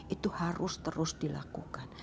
itu harus terus dilakukan